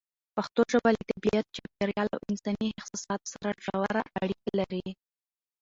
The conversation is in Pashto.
پښتو ژبه له طبیعت، چاپېریال او انساني احساساتو سره ژوره اړیکه لري.